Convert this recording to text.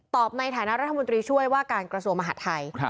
ตอบในฐานะรัฐมนตรีช่วยว่าการกระสวมมหาธัย